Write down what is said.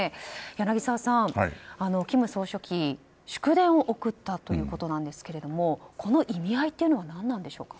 柳澤さん、金総書記が祝電を送ったということですがこの意味合いは何なんでしょうか。